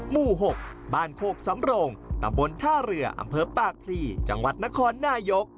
หมู่๖บ้านโคกสำโรงตำบลท่าเรืออำเภอปากพลีจังหวัดนครนายก